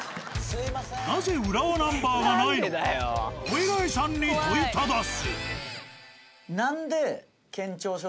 なぜ浦和ナンバーがないのかお偉いさんに問いただす。